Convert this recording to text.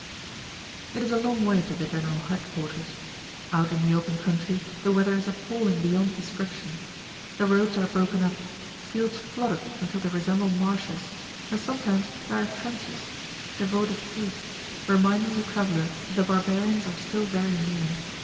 It is a long way to the General Headquarters. Out in the open country the weather is appalling beyond description. The roads are broken up, fields flooded until they resemble marshes, and sometimes there are trenches, chevaux de frise, reminding the traveller that the barbarians are still very near.